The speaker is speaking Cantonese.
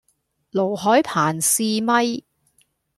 盧海鵬試咪